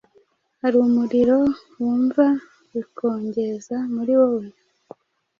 Hari umuriro wumva bikongeza muri wowe?